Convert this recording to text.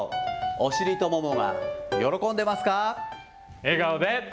お尻とももが喜んでますか？